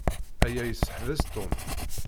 Aya yesseḥbes Tom.